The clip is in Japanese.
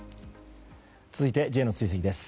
続いてＪの追跡です。